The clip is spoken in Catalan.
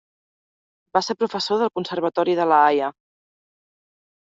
Va ser professor del Conservatori de La Haia.